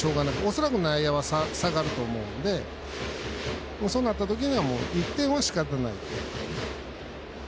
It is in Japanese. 恐らく内野は下がると思うのでそうなった時は１点はしかたない。